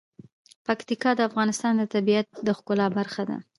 پکتیکا د افغانستان د طبیعت د ښکلا برخه ده.